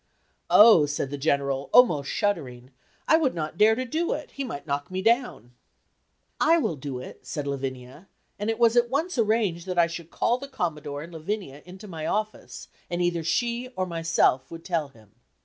"Oh," said the General, almost shuddering, "I would not dare to do it, he might knock me down." "I will do it," said Lavinia; and it was at once arranged that I should call the Commodore and Lavinia into my office, and either she or myself would tell him.